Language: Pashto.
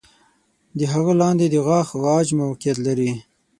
د هغه لاندې د غاښ عاج موقعیت لري.